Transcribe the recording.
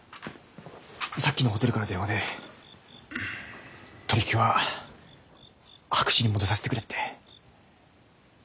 さっきのホテルから電話で取り引きは白紙に戻させてくれって。